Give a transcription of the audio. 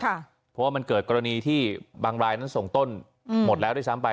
เพราะว่ามันเกิดกรณีที่บางรายนั้นส่งต้นหมดแล้วด้วยซ้ำไป